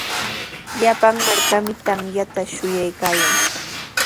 Llapan markami tamyata shuyaykaayan.